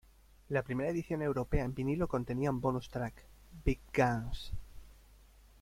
La primera edición europea en vinilo contenía un bonus track, "Big Guns".